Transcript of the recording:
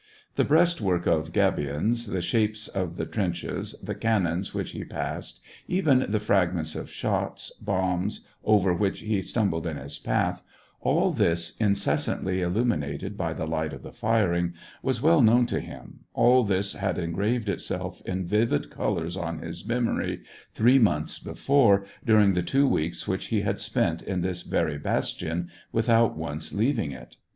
The breastwork of gabions, the shapes of the trenches, the cannons which he passed, even the fragments of shot, bombs, over which he stumbled in his path — all this, incessantly illu minated by the light of the firing, was well known to him, all this had engraved itself in vivid colors on his memory, three months before, during' the two weeks which he had spent in this very bastion, without once leaving it.